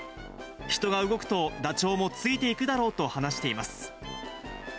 人が動くと、ダチョウもついていくだろうと話しています。